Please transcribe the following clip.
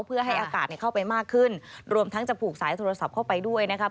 เพื่อให้อากาศเข้าไปมากขึ้นรวมทั้งจะผูกสายโทรศัพท์เข้าไปด้วยนะครับ